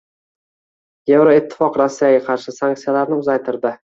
Yevroittifoq Rossiyaga qarshi sanksiyalarni uzaytirdi